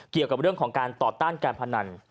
เกี่ยวกับเรื่องของการต่อต้านการพนัน